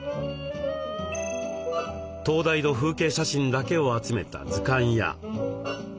灯台の風景写真だけを集めた図鑑や。